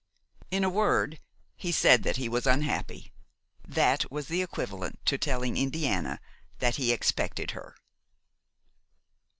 In a word, he said that he was unhappy; that was equivalent to telling Indiana that he expected her.